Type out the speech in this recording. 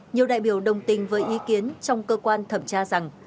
nhiều đại biểu đồng tình với ý kiến trong cơ quan thẩm tra rằng